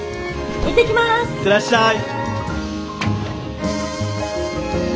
行ってらっしゃい。